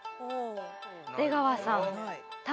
出川さん卵